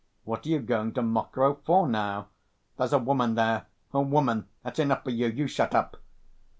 "What are you going to Mokroe for, now?" "There's a woman there, a woman. That's enough for you. You shut up."